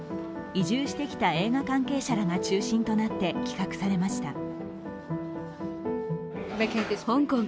移住してきた映画関係者らが中心となって企画されました。